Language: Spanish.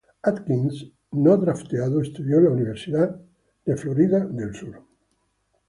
Atkins, no drafteado, estudió en la Universidad de South Florida.